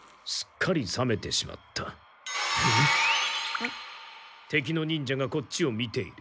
えっ？敵の忍者がこっちを見ている。